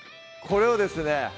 これをですね